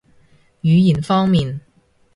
語言方面